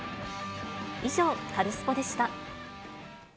以上、カルスポっ！でした。